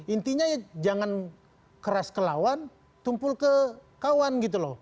intinya ya jangan keras ke lawan tumpul ke kawan gitu loh